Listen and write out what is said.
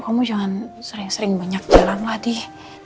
kamu jangan sering sering banyak jalan lah di